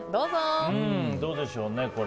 どうでしょうね、これ。